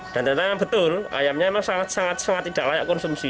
dan ternyata yang betul ayamnya memang sangat sangat tidak layak konsumsi